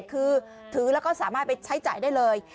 คือถือแล้วก็สามารถไปใช้จ่ายได้เลย